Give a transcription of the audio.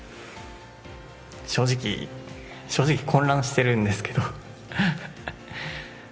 正直、正直混乱してるんですけど。